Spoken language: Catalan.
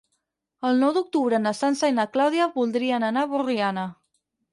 El nou d'octubre na Sança i na Clàudia voldrien anar a Borriana.